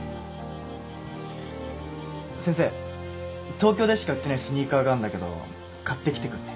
東京でしか売ってないスニーカーがあんだけど買ってきてくんね？